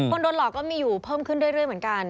คนโดนหลอกก็มีอยู่เพิ่มขึ้นเรื่อยเหมือนกัน